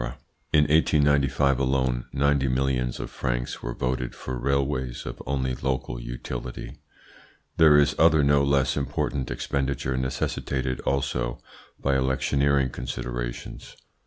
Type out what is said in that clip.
In 1895 alone 90 millions of francs were voted for railways of only local utility. There is other no less important expenditure necessitated also by electioneering considerations.